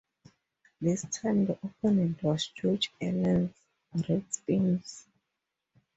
This time, the opponent was George Allen's Redskins.